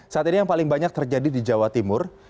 saat ini yang paling banyak terjadi di jawa timur